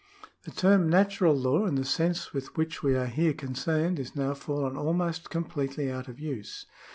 The term natural law, in the sense with which we are here concerned, is now fallen almost wholly out of use.